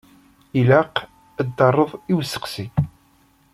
Ilaq ad d-terreḍ i usteqsi.